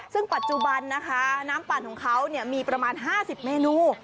ซึ่งปัจจุบันนะคะน้ำปั่นของเขามีประมาณ๕๐เมนู